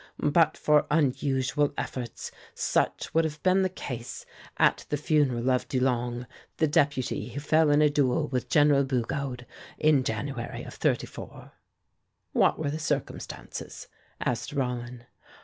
But for unusual efforts, such would have been the case at the funeral of Dulong, the Deputy who fell in a duel with General Bugeaud, in January of '34." "What were the circumstances?" asked Rollin.